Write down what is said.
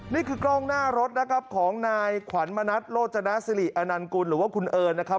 นี่คือกล้องหน้ารถนะครับของนายขวัญมณัฐโรจนาสิริอนันกุลหรือว่าคุณเอิญนะครับ